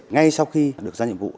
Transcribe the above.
ngay sau khi được ra nhiệm vụ